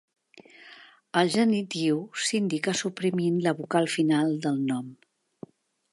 El genitiu s'indica suprimint la vocal final del nom.